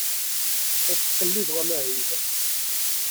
La d-ttqellibeɣ amahil.